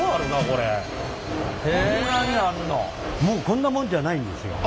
こんなもんじゃないんですよ。